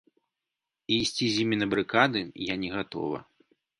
І ісці з імі на барыкады я не гатова.